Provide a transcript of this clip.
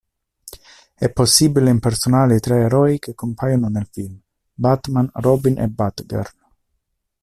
È possibile impersonare i tre eroi che compaiono nel film:Batman, Robin e Batgirl.